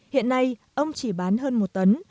hiện nay ông chỉ bán hơn một tấn